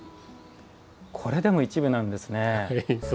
これでも一部なんですね。